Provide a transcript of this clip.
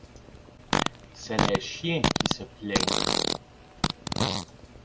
C'est les chiens qui se plaignent.